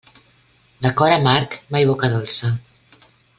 De cor amarg, mai boca dolça.